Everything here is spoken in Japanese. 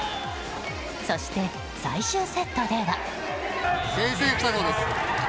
そして最終セットでは。